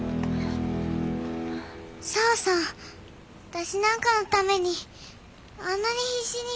私なんかのためにあんなに必死に。